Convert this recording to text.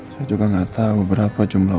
saya juga gak tau berapa jumlah